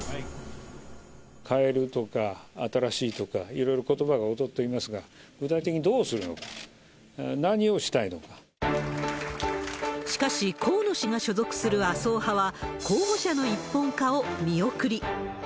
変えるとか新しいとか、いろいろことばが躍っていますが、具体的にどうするのか、しかし、河野氏が所属する麻生派は、候補者の一本化を見送り。